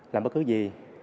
làm bất cứ gì